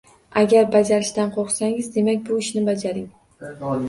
Agar bajarishdan qo’rqsangiz, demak bu ishni bajaring.